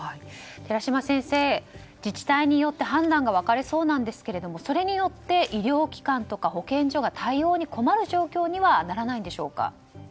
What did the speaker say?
寺嶋先生、自治体によって判断が分かれそうですがそれによって医療機関とか保健所が対応に困る状況にはならないんでしょうか。